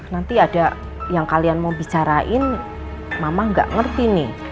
nanti ada yang kalian mau bicarain mama nggak ngerti nih